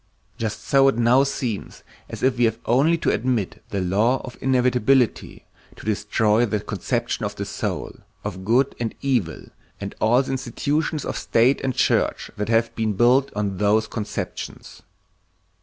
Just so it now seems as if we have only to admit the law of inevitability, to destroy the conception of the soul, of good and evil, and all the institutions of state and church that have been built up on those conceptions.